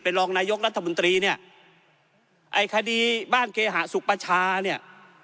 รองนายกรัฐมนตรีเนี่ยไอ้คดีบ้านเคหะสุประชาเนี่ย